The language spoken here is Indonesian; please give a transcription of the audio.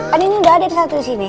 kan ini udah ada satu disini